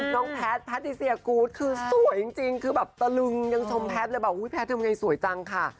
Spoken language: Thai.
น้องแพทย์แพทย์ดิเซียกู๊ดคือสวยจริงคือแบบตะลึงยังชมแพทย์เลยแพทย์เธอเป็นไงสวยจังค่ะ